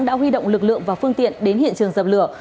đã huy động lực lượng và phương tiện đến hiện trường dập lửa